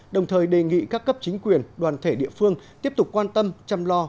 đồng thời đề nghị các cấp chính quyền đoàn thể địa phương tiếp tục quan tâm chăm lo